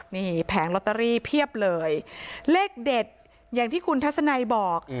นี่แผงลอตเตอรี่เพียบเลยเลขเด็ดอย่างที่คุณทัศนัยบอก